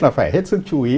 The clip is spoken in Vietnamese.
là phải hết sức chú ý